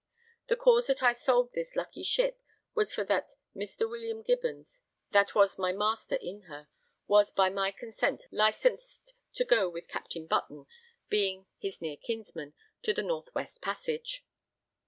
The cause that I sold this lucky ship was for that Mr. William Gibbons, that was my master in her, was by my consent licensed to go with Captain Button (being his near kinsman) to the North west Passage.